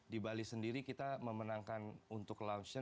di bali sendiri kita memenangkan untuk lounge